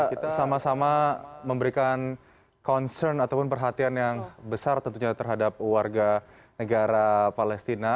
kita sama sama memberikan concern ataupun perhatian yang besar tentunya terhadap warga negara palestina